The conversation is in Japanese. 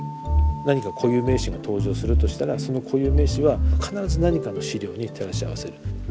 何か固有名詞が登場するとしたらその固有名詞は必ず何かの資料に照らし合わせる。